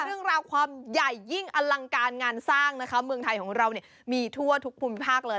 เรื่องราวความใหญ่ยิ่งอลังการงานสร้างนะคะเมืองไทยของเราเนี่ยมีทั่วทุกภูมิภาคเลย